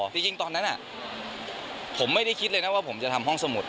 จริงตอนนั้นผมไม่ได้คิดเลยนะว่าผมจะทำห้องสมุด